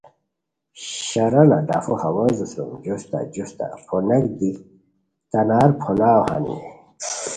شرانہ ڈفو ہوازو سُم جوستہ جوستہ پھوناک دی تنار پھوناؤ ہانی